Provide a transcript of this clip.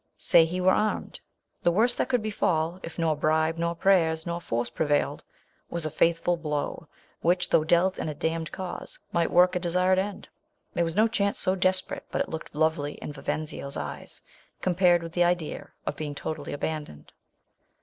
Say In1 were armed. The worst that could Ix fall, if nor bribe, nor prayers, nor force prevailed, was n faithful blow, winch, though dealt in a damned cause, might work a desired end. There was no chance so desperate, but it looked lovely in Yivenzio'a eyes compared with the idea of be int: totally abandoned.